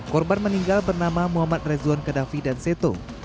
korban meninggal bernama muhammad rezwan kadafi dan seto